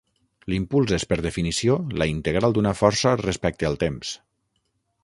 L'impuls és, per definició, la integral d'una força respecte al temps.